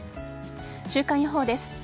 週間予報です。